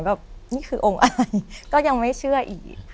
นี่คือองค์อะไรก็ยังไม่เชื่ออีก